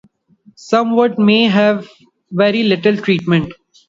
Some wood may have very little treatment.